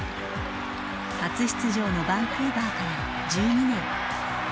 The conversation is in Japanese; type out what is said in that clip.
初出場のバンクーバーから１２年。